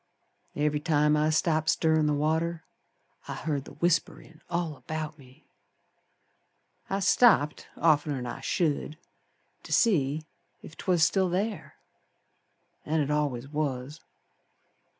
Every time I stopped stirrin' the water I heerd the whisperin' all about me. I stopped oftener'n I should To see ef 'twas still ther, An' it al'ays was.